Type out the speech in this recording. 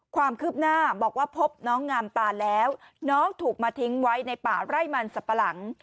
ความคืบหน้าบอกว่าพบน้องงามตาแล้วน้องถูกมาทิ้งไว้ในป่าไร่มันสับปะหลัง